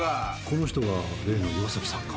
この人が例の岩崎さんか。